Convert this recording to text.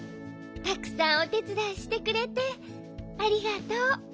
たくさんおてつだいしてくれてありがとう。